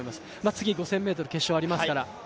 次、５０００ｍ決勝ありますから。